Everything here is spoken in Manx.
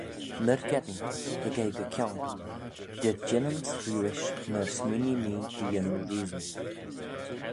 Myrgeddin, hig eh gy-kione, dy jeanyms riuish, myr smooinee mee dy yannoo roosyn.